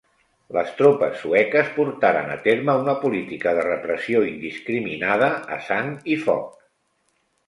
Les tropes sueques portaren a terme una política de repressió indiscriminada a sang i foc.